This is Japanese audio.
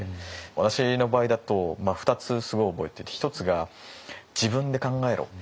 私の場合だと２つすごい覚えてて一つが「自分で考えろ」。